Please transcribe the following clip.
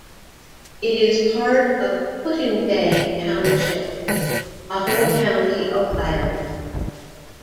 It is part of Put-in-Bay Township, Ottawa County, Ohio.